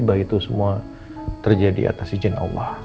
tiba tiba itu semua terjadi atas izin allah